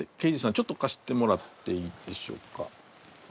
ちょっとかしてもらっていいでしょうか。